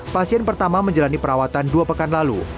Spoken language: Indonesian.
pasien pertama menjalani perawatan dua pekan lalu